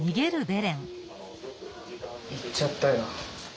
行っちゃったよ。